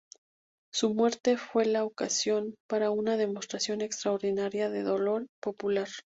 Su muerte fue la ocasión para una demostración extraordinaria de dolor popular.